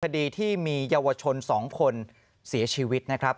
คดีที่มีเยาวชน๒คนเสียชีวิตนะครับ